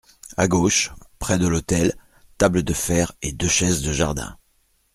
A gauche, près de l’hôtel, table de fer et deux chaises de jardin.